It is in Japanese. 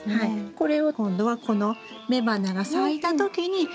これを今度はこの雌花が咲いた時にちょんちょん。